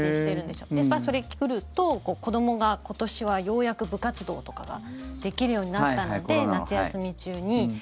で、それ来ると子どもが今年はようやく部活動とかができるようになったので夏休み中に。